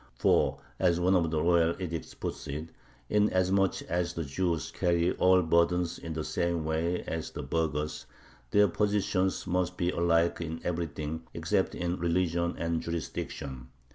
For, as one of the royal edicts puts it, "inasmuch as the Jews carry all burdens in the same way as the burghers, their positions must be alike in everything, except in religion and jurisdiction."